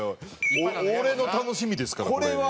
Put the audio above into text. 俺の楽しみですからこれ。